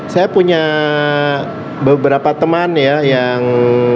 saya punya beberapa teman ya yang